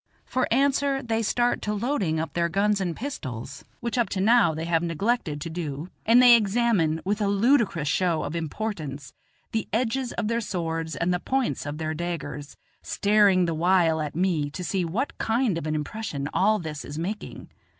For answer they start to loading up their guns and pistols, which up to now they have neglected to do; and they examine, with a ludicrous show of importance, the edges of their swords and the points of their daggers, staring the while at me to see what kind of an impression all this is making.